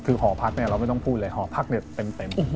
คือหอพักเนี่ยเราไม่ต้องพูดเลยหอพักเนี่ยเต็ม